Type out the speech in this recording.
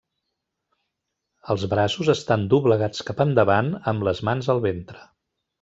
Els braços estan doblegats cap endavant amb les mans al ventre.